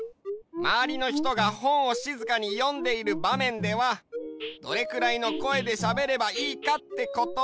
まわりのひとがほんをしずかによんでいるばめんではどれくらいの声でしゃべればいいかってことだね。